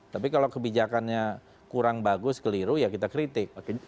tapi kalau kebijakannya kurang bagus keliru ya kita kritik